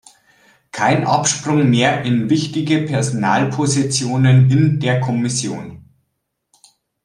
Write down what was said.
Kein Absprung mehr in wichtige Personalpositionen in der Kommission.